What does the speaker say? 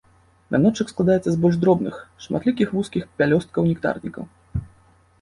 Вяночак складаецца з больш дробных, шматлікіх вузкіх пялёсткаў-нектарнікаў.